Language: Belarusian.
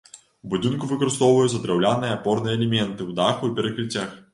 У будынку выкарыстоўваюцца драўляныя апорныя элементы ў даху і перакрыццях.